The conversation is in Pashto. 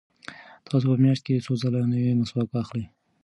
تاسو په میاشت کې څو ځله نوی مسواک اخلئ؟